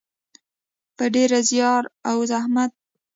په ډیر زیار او زحمت.